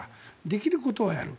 できることはやる。